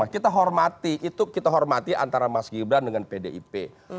kita hormati itu kita hormati antara mas gibran dengan pdip